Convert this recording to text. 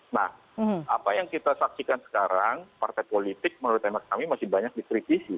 nah apa yang kita saksikan sekarang partai politik menurut teman kami masih banyak dikritisi